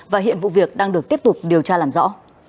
và hiện vụ việc đang được tiếp tục điều tra làm rõ